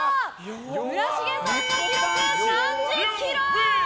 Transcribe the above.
村重さんの記録は３０ｋｇ！